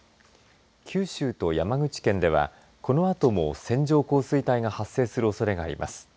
九州と山口県ではこのあとも線状降水帯が発生するおそれがあります。